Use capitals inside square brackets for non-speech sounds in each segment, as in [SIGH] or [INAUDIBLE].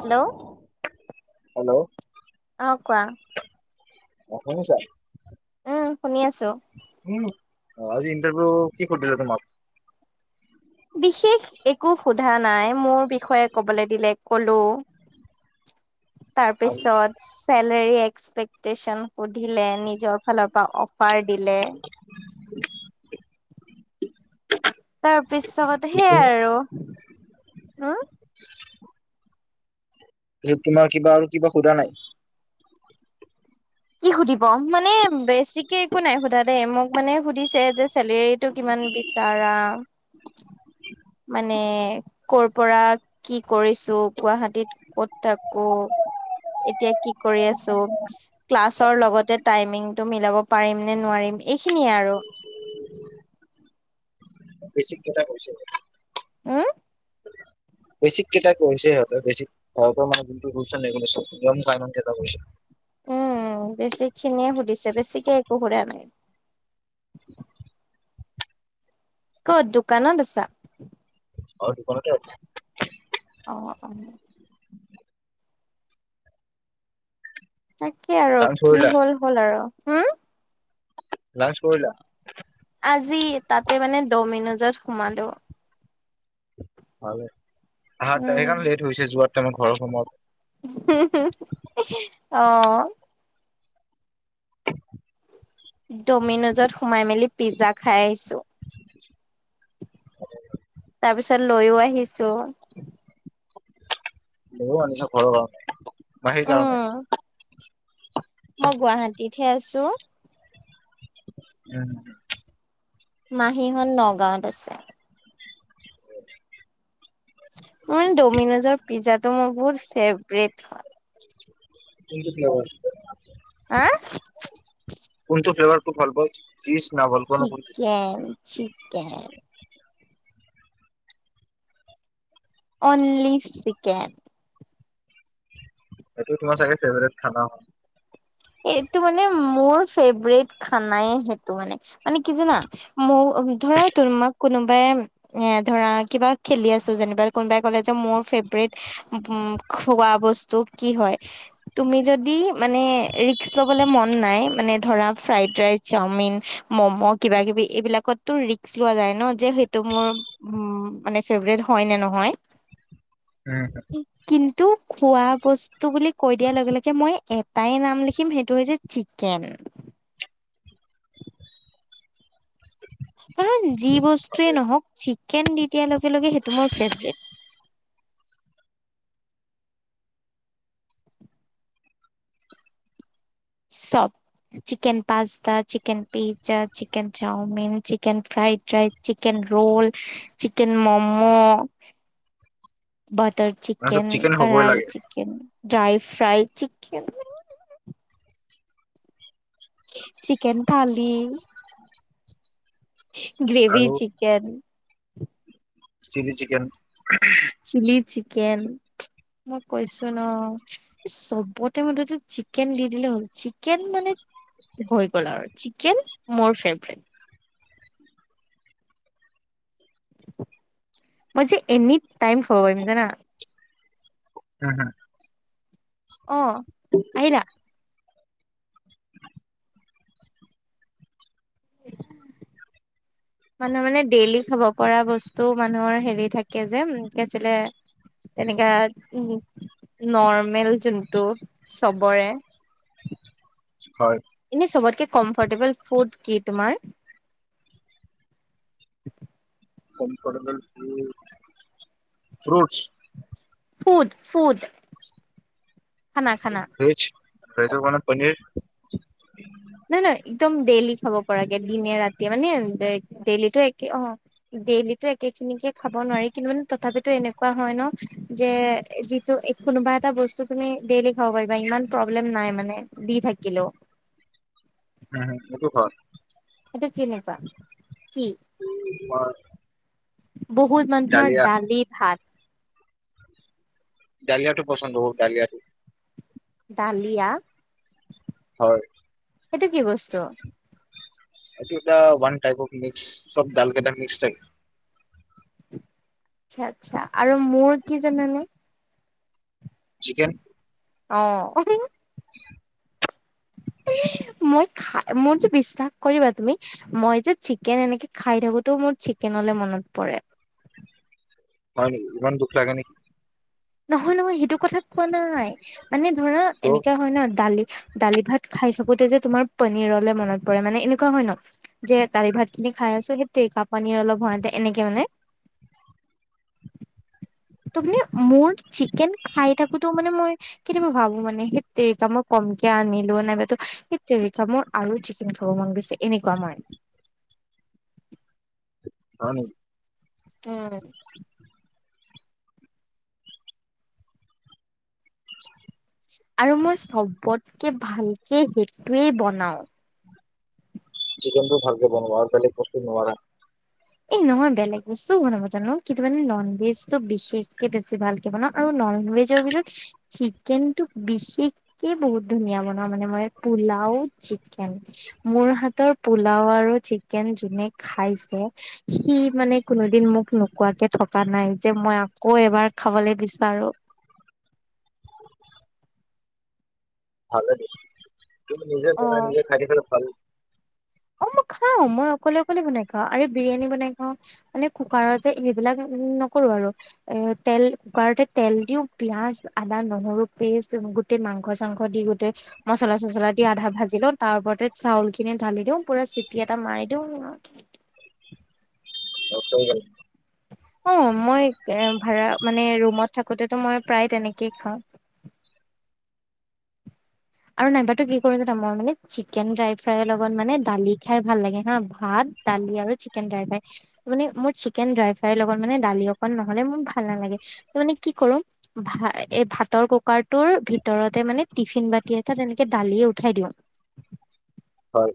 Hello hello অ কোৱা অ শুনিছা? উম শুনি আছো। উম আজি ইণ্টাৰভিউ কি সুধিলে তোমাক? বিশেষ একো সোধা নাই মোৰ বিষয়ে কবলে দিলে কলো [UNINTELLIGIBLE] আৰু তুমি তাৰপিছত চেলেৰী এক্সেপেকটেচন সুধিলে নিজৰ ইফালৰ পৰা অফাৰ দিলে। [UNINTELLIGIBLE] তাৰ পিছত সেইয়াই পিছত আৰু উম যে তোমাৰ কিবা আৰু কিবা সোধা নাই। কি সুধিব মানে বেছিকে একো নাই সোধা দেই মোক মানে সুধিছে যে চেলেৰীটো কিমান বিচাৰা মানে কৰপৰা কি কৰিছ গুৱাহাটীত ক'ত থাকো এতিয়া কি কৰি আছো? ক্লাছৰ লগতে টাইমিংটো মিলাব পাৰিম নে নোৱাৰিম এইখিনিয়ে আৰু বেছি কেইটা কৰিছগে উম বেচিক কেইটা কৰিছে সিহঁতে বেছিক সিহঁতৰ মানে নটো লেমুলেছন গম নাই ইমান কেইটা কৰিছে উম বেচিকখিনিয়ে সুধিছে বেছিকে একো সুধা নাই [UNINTELLIGIBLE] ক'ত দোকানত আছা? অ দোকানতে আছো। [UNINTELLIGIBLE] তাকে আৰু, লাঞ্চ কি কৰিলা? হ'ল হ'ল আৰু। হ? ম লাঞ্চ কৰিলা? আজি তাতে মানে দমিনোজত সোমালো। ভালে, আহাত উম গাড়ীখন লেট হৈছে যোৱাত তাইমত ঘৰত সময়ত। অ'। ডমিন'জত সোমাই মেলি পিজ্জা খাই আহিছো। তাৰপিছত লৈও আহিছো। লৈও আনিছা ঘৰৰ কাৰনে, মাহীৰ কাৰনে। উম মই গুৱাহাটীতহে আছো। উম। মাহীহত নগাঁৱত আছে। হয়। মোৰ মানে ডমিনোজৰ পিজ্জাটো মোৰ বহুত ফেভৰেট হয়। কোনটো ফেল্লেভাৰ? হা কোনটো ফ্লেভাৰ [UNINTELLIGIBLE] ভাল পাও [UNINTELLIGIBLE] উম। চিকেন। Only chicken. এইটো তোমাৰ চাগে ফেভাৰেট খানা হয়? এইটো মানে মোৰ ফেভৰেট খানাই সেইটো মানে, মানে কি জানা? মোৰ ধৰা তোমাক কোনোবাই এ ধৰা কিবা খেলি আছো যেনিবা, কোনোবাই ক'লে যে মোৰ ফেভৰেট উম, খোৱা বস্তু কি হয় তুমি যদি মানে ৰিক্ক ল'বলে মন নাই মানে ধৰা ফ্ৰাইড ৰাইচ, চাওমিন, মো'মো' কিবা কিবি এইবিলাকত তো ৰিস্ক লোৱা যাই ন' সেইটো মোৰ মানে ফেভৰেট হয়নে নহয়। [INAUDIBLE] উম। কিন্তু খোৱা বস্তু বুলি কৈ দিয়া লগে লগে মই এটাই নাম লি খিম সেইটো হৈছে চিকেন। [INAUDIBLE] কাৰণ যি বস্তুয়ে নহক চিকেন দি দিয়াৰ লগে লগে সেইটো মোৰ ফেভৰেট। চব। Chicken pasta, chicken pizza, chicken chow mein, chicken fried rice. Chicken roll, chicken momo, butter তাৰপিছত চিকেন হ'বই কাঢ়াই, লাগে chicken dry fry chicken chicken thali. Gravy আৰু chicken. Chilli chicken. Chilli chicken, মই কৈছো ন'। চবতে মোথতে চিকেন দি দিলে হল, চিকেন মানে ভয় কৰা, [UNINTELLIGIBLE] চিকেন মোৰ ফেভৰেট। মইজে এনি টাইম খৱা পাৰিম জানা? [UNINTELLIGIBLE] অ', আহিলা? মানুহৰ মানে ডেইলি খাব পৰা বস্তু মানুহৰ হেৰি থাকে যে কি আছিলে তেনেকা উ নৰ্মেল যোনটো চবৰে হয় এনে চবতকে কম্ফৰ্টেবল ফুড কি তোমাৰ comfortable food fruits food food খানা খানা ভেজ ভেজৰ কাৰনে পনীৰ নহয় নহয় একদম ডেইলি খাব পৰাকে দিনে ৰাতিয়ে মানে ডেইলিটো একে অ ডেইলিটো একে খিনিকে খাব নোৱাৰি কিন্তু তথাপিতো এনেকুৱা হয় ন যে ত' কোনোবা এটা বস্তু তুমি ডেইলি খাব পাৰিবা ইমান প্ৰব্লেম নাই মানে দি থাকিলেও নাই সেইটো কৰ এইটো কেনেকুৱা কি তোমাৰ বহুত মানুহৰ ডালিয়া দালি ভাত ডালিয়াটো পচন্দ কৰো ডালিয়াটো ডালিয়া হয় সেইটো কি বস্তু এইটো এটা ওৱানটাইপ অ মিক্স চব ডালকেইটা মিক্স থাকে আচ্ছা আচ্ছা আৰু মোৰ কি জানা নে চিকেন অ [UNINTELLIGIBLE] মই খা মোৰ তো বিশ্বাস কৰিবা তুমি মই যে চিকেন এনেকে খাই থাকোতেও মোৰ চিকেনলে মনত পৰে হয় নেকি ইমান দুখ লাগে নেকি নহয় নহয় সেইটো কথা কোৱা নাই মানে ধৰা ত' এনেকা হয় ন দালি দালি ভাত খাই থাকোতে যে তোমাৰ পনীৰলে মনত পৰে মানে এনেকুৱা হয় ন যে দালি ভাত খিনি খাই আছো সেইট তেৰিকা পনীৰ অলপ হোৱা হ'লে এনেকে মানে তুমি মানে মোৰ চিকেন খাই থাকোতো মানে মোৰ কিন্তু মই ভাবো মানে সেই তেৰিকা মই কমকে আনিলো নাইবাতো সেইতেৰিকা মোৰ আৰু চিকেন খাব মন গৈছে এনেকুৱা মই হয় নেকি উম [UNINTELLIGIBLE] [UNINTELLIGIBLE] আৰু মই চবতকে ভালকে সেইটোৱেই বনাও চিকেন টো ভালকে বনাব আৰু বেলেগ বস্তু নোৱাৰা এই নহয় বেলেগ বস্তুও বনাব জানো কিন্তু মানে নন ভেজ তো বিশেষকে বেছি ভালকে বনাওঁ। আৰু নন ভেজৰ ভিতৰত চিকেনটো বিশেষ কে বহুত ধুনীয়া বনাও মানে মই পোলাও, চিকেন। মোৰ হাতৰ পোলাও আৰু চিকেন যোনে খাইছে। সি মানে কোনোদিন মোক নোকোৱাকে থকা নাই যে মই আকৌ এবাৰ খাবলৈ বিচাৰো। ভালে দে, তুমি নিজে বনাই অ' নিজে খাই থাকিলে ভাল। অ', মই খাও, মই অকলে অকলে বনাই খাওঁ আৰু বিৰিয়ানী বনাই খাও। মানে কুকাৰতে এইবিলাক নকৰো আৰু। এ তেল কুকাৰতে তেল দিওঁ, পিয়াজ, আদা, নহৰু পেষ্ট গোটে মাংস চাংস দি গোটেই মচলা চচলা দি আধা ভাজি লওঁ, তাৰ ওপৰতে চাউলখিনি ঢালি দিওঁ পুৰা চিটি এটা মাৰি দিওঁ। কষ্ট হৈ গ'ল। অঁ, মই এ ভাড়া মানে ৰুমত থাকোতেটো মই প্ৰায় তেনেকেই খাওঁ। আৰু নাইবাতো কি কৰো জনা, মই মানে চিকেন ড্ৰাই ফ্ৰাই লগত মানে দালি খাই ভাল লাগে হা, ভাত, দালি আৰু চিকেন ড্ৰাই ফ্ৰাই। মানে মোৰ চিকেন ড্ৰাই ফ্ৰাই লগত মানে দালি অকন নহ'লে মোৰ ভাল নালাগে। মানে কি কৰো ভা এই ভাতৰ কুকাৰটোৰ ভিতৰতে মানে টিফিন বাতি এ টাত তেনেকে দালিয়ে উঠাই দিওঁ। হয়।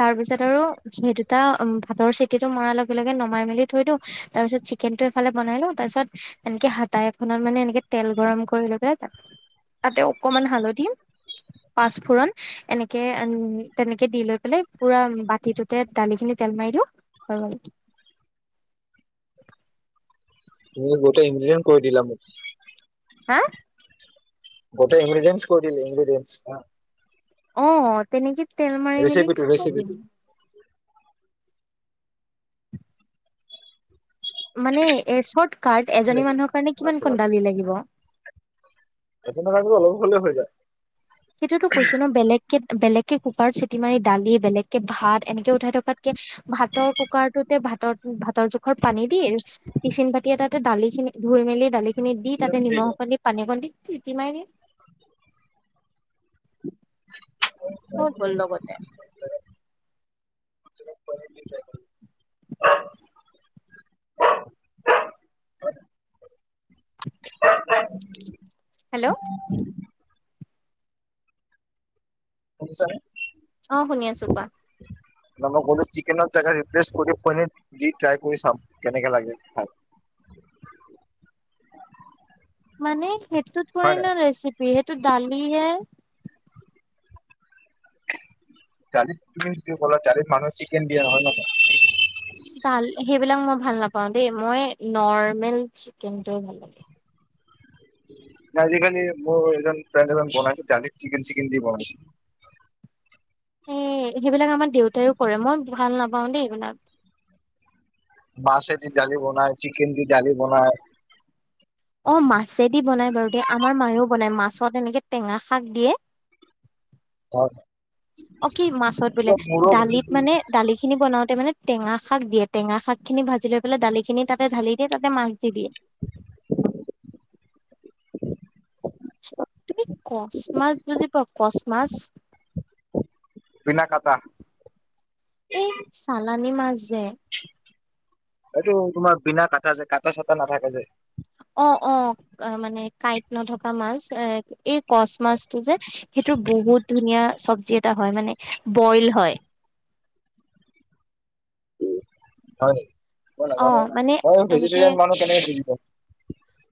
তাৰ পিছত আৰু সেই দুটা উম ভাতৰ চিতিটো মৰাৰ লগে লগে নমাই মেলি থৈ দিওঁ, তাৰপিছত চি কেনটো এফালে বনাই লওঁ, তাৰ পিছত এনেকে হাতা এখনত মানে এনেকে তেল গৰম কৰি লৈ পেলাই তাতে অকমান হালধি পাষ্টপুৰণ এনেকে, তেনেকে দি লৈ পেলাই পোৰা বাতিটোতে দালি খিনি তেল মাৰি দিওঁ হৈ গল। তুমি গোটেই ইঞ্জিনিয়াৰ কৰি দিলা মোক। হা। গোটে ইনভিদেন্সে কৰি ইনভিদেন্সে। অঁ, তেনেকে তেল মেলি ৰেচিপিটো খাই। ৰেচিপিটো মানে এ চৰ্ট কাট এজনী মানুহৰ কাৰণে কিমান কণ দালি লাগিব? এখনৰ কাৰণে অলপ হ'লে হৈ যায়। সেইটোতো কৈছো ন বেলেগকে, বেলেগকে কুকাৰত চিটি মাৰি, দালি বেলেগ কে ভাত এনেকে উঠাই থকাতকে ভাতৰ কুকাৰটোতে ভাতৰ ভাত হাতৰ জোখত পানী দি, টিফিন বাতি তাতে দালিখিনি ধুই মেলি দালিখিনি দি তাতে নিমখ যায় অকণ দি পানী অকণ দি, চিটি মাৰি [UNINTELLIGIBLE] হৈ গ'ল লগতে। শুনিছানে? [INAUDIBLE] [INAUDIBLE] [UNINTELLIGIBLE] শুনিছা নে? অঁ শুনি আছো কোৱা। না মই কলো চিকেনৰ জগৰ ৰেফ্ৰেছ কৰি পানীত দি ট্ৰাই কৰি চাম কেনেকে লাগে খাই। মানে সেইটোত হয় থৰিণ নাই? ৰেচিপি, সেইটো দালি হে। দালিত তুমি যিটো ক'লা দালিত মানুহ চিকেন দিয়া নহয় ন। দাল সেইবিলাক মই ভাল নাপাওঁ দেই, মই নৰ্মেল চিকেনটোয়ে ভাল লাগে। আজি খালি মোৰ এজন ফ্ৰেণ্ড এজন বনাইছে দালি চিকেন চিকেন দি বনাইছে। এ সেইবিলাক আমাৰ দেউতায়ো কৰে, মই ভাল নাপাওঁ দেই এইবিলাক। মাছে দি দালি বনায়, চিকেন দি দালি বনায়। অঁ', মাছ দি বনাই বাৰু দে, আমাৰ মায়েও বনাই মাছত এনেকৈ টেঙা শাক দিয়ে। হয়। অ, কি মাছত বোলে, দালিত মানে দালি খিনি বনাওঁতে মানে টেঙা শাক দিয়ে, টেঙা শাক খিনি ভাজি লৈ পেলাই দালি খিনি তাতে ঢালি দিয়ে, তাতে মাছ দি দিয়ে। [UNINTELLIGIBLE] তুমি কচ মাছ বুজি পোৱা, কচ মাছ? বিনা কটা। এই চালানি মাছ যে। এইটো তোমাৰ বিনা কাটা যে, কটা চাটা নাথাকে যে। অ', অ', মানে কাইটে নথকা মাছ এই কচ মাছটো যে। সেইটো বহুত ধুনীয়া ছাবজি এটা হয়, মানে বইল হয়। হয় নেকি, মই অ', নাজানোঁ না, মানে মই এনেকে ভেজিটেৰিয়ান মানুহ কেনেকৈ বুজি পাম।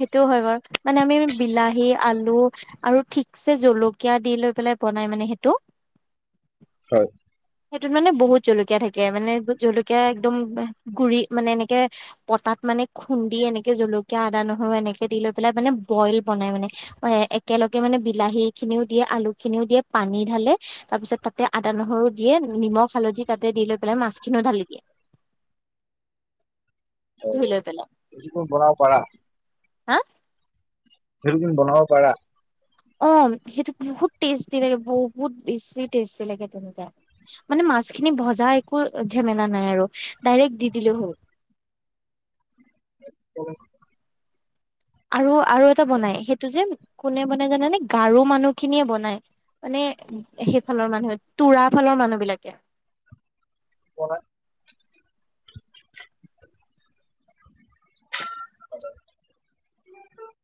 সেইটোও হয় বাৰু, মানে আমি বিলাহী আলু আৰু থিকচে জলকীয়া দি লৈ পেলাই বনাই মানে সেইটো। হয়। সেইটোত মানে বহুত জলকীয়া থাকে, মানে জলকীয়া একদম গুৰি মানে এনেকে পটাত মানে খোন্দি এনেকৈ জলকীয়া আদা নোহোৱাকৈ এনেকৈ দি লৈ পেলাই, মানে বইল বনাই মানে। এই একেলগে মানে বিলাহীখিনিও দিয়ে, আলুখিনিও দিয়ে, পানী ঢালে তাৰপিছত তাতে আদা নহৰু দিয়ে নিমখ হালধি তাতে দি লৈ পেলাই মাছখিনি ও ঢালি দিয়ে। ধুই লৈ পেলাই, এইটো তুমি বনাব পাৰা, হা? সেইটো তুমি বনাব পাৰা। অ', সেইটো বহুত টেষ্টি লাগে, বহুত বেছি টেষ্টি লাগে তেনেকুৱা। মানে মাছখিনি ভজা একো ঝামেলা নাই আৰু ডাইৰেক্ট দি দিলে হ'ল। উম। আৰু আৰু এটা বনাই, সেইটো যে কোনে বনাই জানা নে, গাৰু মানুহখিনিয়েই বনাই। মানে সেইফালৰ মানুহে, তোৰ ফালৰ মানুহবিলাকে। [UNINTELLIGIBLE] [UNINTELLIGIBLE]